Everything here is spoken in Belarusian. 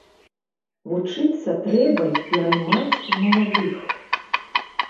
Вучыцца трэба і пераймаць у маладых.